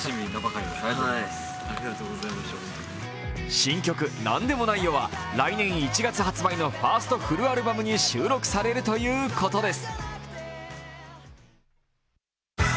新曲「なんでもないよ、」は来年１月発売のファーストフルアルバムに収録されるということです。